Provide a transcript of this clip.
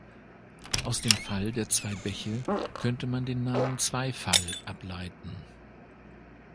Aus dem Fall der zwei Bäche könnte man den Namen Zweifall ableiten.